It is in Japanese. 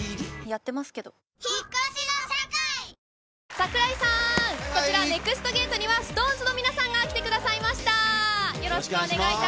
櫻井さん、こちら、ＮＥＸＴゲートには、ＳｉｘＴＯＮＥＳの皆さんが来てくださいました。